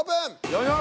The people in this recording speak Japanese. よいしょ。